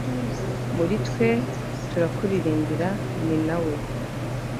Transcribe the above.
muri twe, turakuririmbira, ni na we